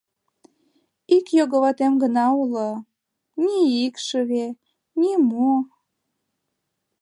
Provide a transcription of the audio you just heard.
Ик його ватем гына уло... ни икшыве, ни мо...